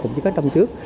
cũng như các năm trước